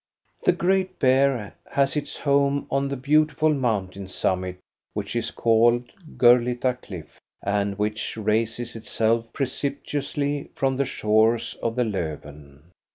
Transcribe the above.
The great bear has its home on the beautiful mountain summit which is called Gurlitta Cliff, and which raises itself precipitously from the shores of the Lofven.